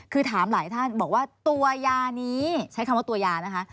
คือถามหลายท่านบอกว่าตัวยานี้ใช้คำว่าตัวยานะคะ